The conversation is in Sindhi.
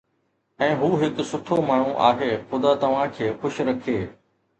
۽ هو هڪ سٺو ماڻهو آهي، خدا توهان کي خوش رکي